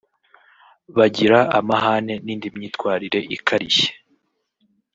bagira amahane n’indi myitwarire ikarishye